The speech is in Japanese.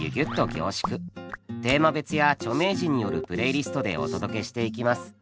テーマ別や著名人によるプレイリストでお届けしていきます。